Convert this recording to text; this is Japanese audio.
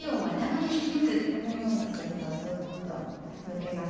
このようにするとスっと抜けます。